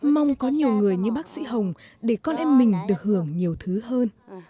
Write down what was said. mong có nhiều người như bác sĩ hồng để con em mình được hưởng nhiều thứ hơn